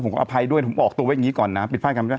ผมอภัยด้วยผมออกตัวไว้อย่างนี้ก่อนนะ